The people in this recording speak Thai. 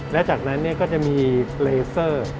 และจากทั้งนั้นก็จะมีเฟรเซอร์